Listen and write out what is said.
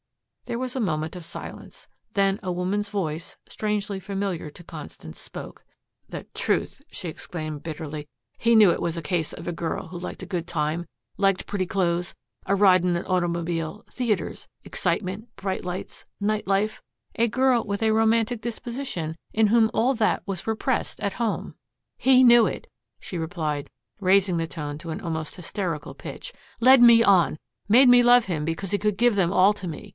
There was a moment of silence. Then a woman's voice, strangely familiar to Constance, spoke. "The truth!" she exclaimed bitterly. "He knew it was a case of a girl who liked a good time, liked pretty clothes, a ride in an automobile, theaters, excitement, bright lights, night life a girl with a romantic disposition in whom all that was repressed at home. He knew it," she repeated, raising the tone to an almost hysterical pitch, "led me on, made me love him because he could give them all to me.